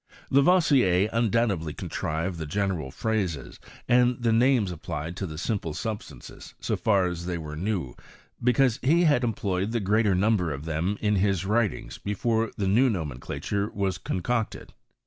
Lavoisier undoubtedly contrived the ge neral phrases, and the names applied to the simi^a substances, so far as they were new, because he had employed the greater number of them in his writings before the new nomenclature was concocted.